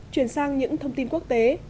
chuyến sang những thông tin quốc tế